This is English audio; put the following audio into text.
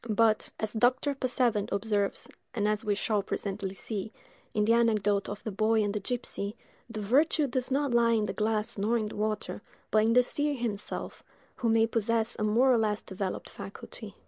But, as Dr. Passavent observes, and as we shall presently see, in the anecdote of the boy and the gipsy, the virtue does not lie in the glass nor in the water, but in the seer himself, who may possess a more or less developed faculty.